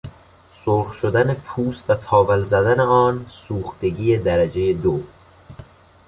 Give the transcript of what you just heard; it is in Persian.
سرخ شدن پوست و تاول زدن آن، سوختگی درجه دو